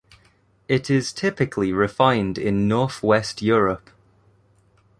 It is typically refined in Northwest Europe.